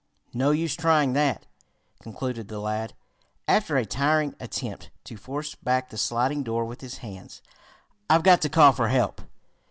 "No use trying that," concluded the lad, after a tiring attempt to force back the sliding door with his hands. "I've got to call for help."